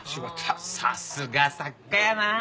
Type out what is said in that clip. さすが作家やなあ！